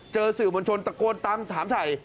เจอสื่อบัญชนตะโกนตามถามไถ่